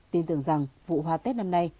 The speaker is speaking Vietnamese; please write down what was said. tin tưởng rằng vụ hoa tết năm nay